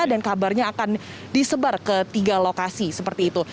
dan kabarnya akan disebar ke tiga lokasi seperti itu